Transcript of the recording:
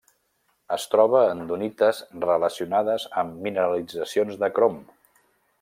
Es troba en dunites relacionades amb mineralitzacions de crom.